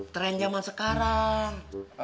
trend jaman sekarang